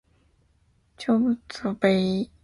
猫雷是哈基米的意思